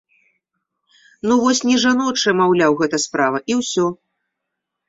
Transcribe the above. Ну вось не жаночая, маўляў, гэта справа і ўсё!